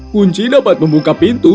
kunci dapat membuka pintu